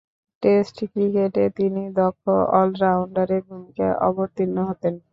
Test ক্রিকেটে তিনি দক্ষ অল-রাউন্ডারের ভূমিকায় অবতীর্ণ হতেন।